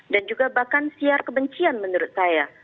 dan juga bahkan siar kebencian menurut saya